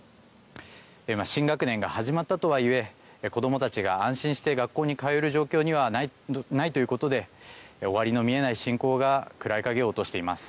今、新学年が始まったとはいえ子どもたちが安心して学校に通える状況にはないということで終わりの見えない侵攻が暗い影を落としています。